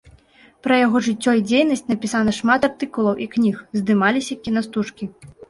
Пра яго жыццё і дзейнасць напісана шмат артыкулаў і кніг, здымаліся кінастужкі.